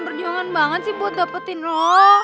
perjuangan banget sih buat dapetin roa